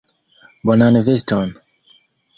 Bonan veston.